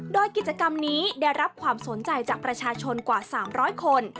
โดยกิจกรรมนี้ได้รับความสนใจจากประชาชนกว่า๓๐๐คน